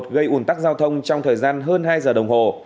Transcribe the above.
gây ủn tắc giao thông trong thời gian hơn hai giờ đồng hồ